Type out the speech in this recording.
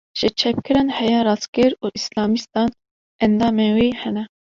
Ji çepgiran heya rastgir û Îslamîstan, endamên wê hene